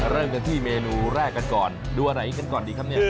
เริ่มกันที่เมนูแรกกันก่อนดูอะไรกันก่อนดีครับ